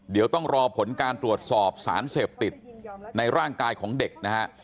เดี๋ยวต้องรอผลการตรวจสอบสารเสพติดในร่างกายของเด็กนะฮะ